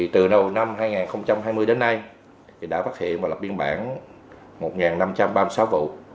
từ đầu năm hai nghìn hai mươi đến nay đã phát hiện và lập biên bản một năm trăm ba mươi sáu vụ